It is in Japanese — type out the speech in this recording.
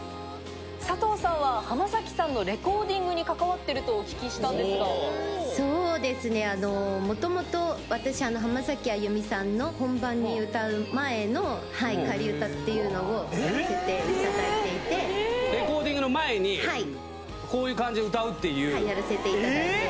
佐藤さんは浜崎さんのレコーディングに関わっているとお聞きしたそうですね、もともと、私、浜崎あゆみさんの本番に歌う前の仮歌っていうのをさせていただいレコーディングの前に、やらせていただいて。